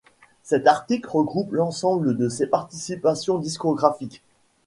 Cet article regroupe l'ensemble de ses participations discographiques.